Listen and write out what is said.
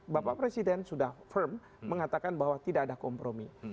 bapak presiden sudah firm mengatakan bahwa tidak ada kompromi